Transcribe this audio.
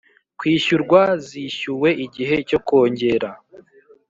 Kwishyurwa Zishyuwe Igihe Cyo Kongera